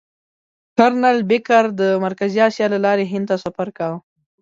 کرنل بېکر د مرکزي اسیا له لارې هند ته سفر کاوه.